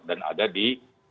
dan ada di